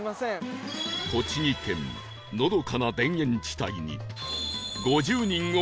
栃木県のどかな田園地帯に